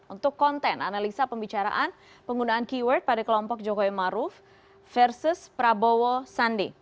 untuk konten analisa pembicaraan penggunaan keyword pada kelompok jokowi maruf versus prabowo sandi